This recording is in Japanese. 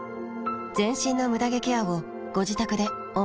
全身のムダ毛ケアをご自宅で思う存分。